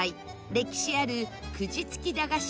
歴史あるくじ付き駄菓子